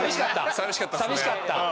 寂しかった？